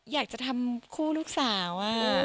อยากจะทำคู่ลูกสาว